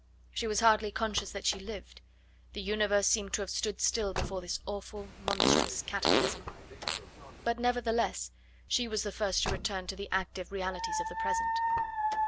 She was hardly conscious that she lived; the universe seemed to have stood still before this awful, monstrous cataclysm. But, nevertheless, she was the first to return to the active realities of the present.